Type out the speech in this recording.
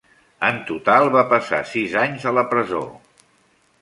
En total va passar sis anys a la presó.